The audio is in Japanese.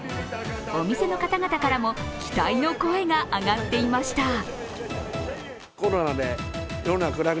お店の方々からも期待の声が上がっていました。